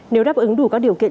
nếu đáp ứng đủ các điều kiện